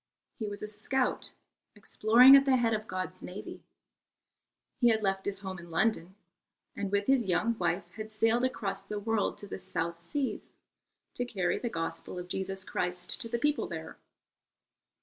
He was a scout exploring at the head of God's navy. He had left his home in London and with his young wife had sailed across the world to the South Seas to carry the Gospel of Jesus Christ to the people there.